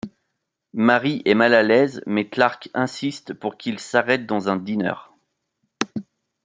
Mary est mal à l'aise mais Clark insiste pour qu'ils s'arrêtent dans un diner.